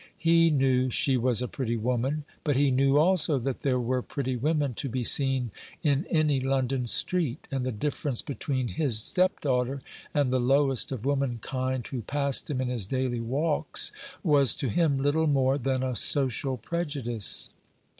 He knew she was a pretty woman; but he knew also that there were pretty women to be seen in any London street; and the difference between his stepdaughter and the lowest of womankind who passed him in his daily walks was to him little more than a social prejudice.